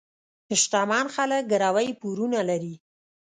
شتمن خلک ګروۍ پورونه لري.